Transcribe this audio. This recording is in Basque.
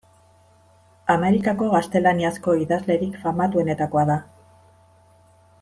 Amerikako gaztelaniazko idazlerik famatuenetakoa da.